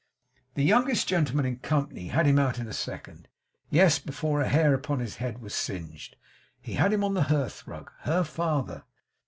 The youngest gentleman in company had him out in a second. Yes, before a hair upon his head was singed, he had him on the hearth rug her father!